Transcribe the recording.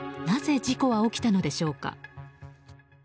なぜ事故は起きたのでしょうか？